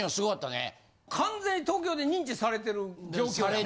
完全に東京で認知されてる状況や。